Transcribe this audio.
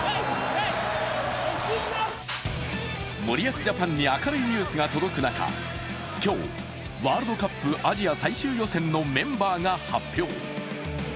森保ジャパンに明るいニュースが届く中、今日、ワールドカップアジア最終予選のメンバーが発表。